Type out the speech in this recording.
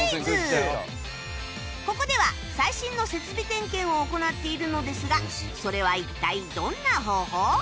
ここでは最新の設備点検を行っているのですがそれは一体どんな方法？